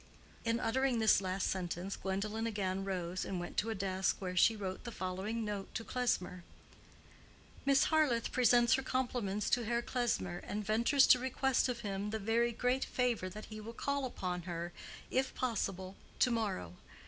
In uttering this last sentence Gwendolen again rose, and went to a desk where she wrote the following note to Klesmer:— Miss Harleth presents her compliments to Herr Klesmer, and ventures to request of him the very great favor that he will call upon her, if possible, to morrow.